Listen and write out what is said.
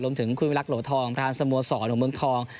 รวมถึงคุณระวิโหลทองพระธานสมสรรค์ของเมืองทอง